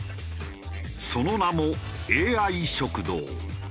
その名もＡＩ食堂。